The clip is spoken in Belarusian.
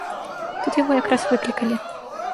Тут яго якраз выклікалі.